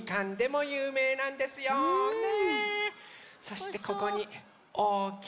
そしてここにおおきいみかん。